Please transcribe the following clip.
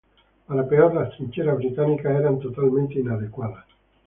Para peor, las trincheras británicas eran totalmente inadecuadas.